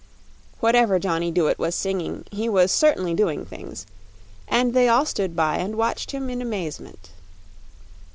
Whatever Johnny Dooit was singing he was certainly doing things, and they all stood by and watched him in amazement.